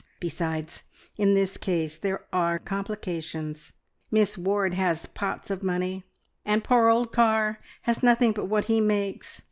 Besides, in this case there are complications. Miss Ward has pots of money, and poor old Carr has nothing but what he makes.